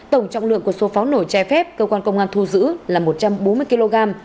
tổng trọng lượng của số pháo nổi trái phép cơ quan công an thu giữ là một trăm bốn mươi kg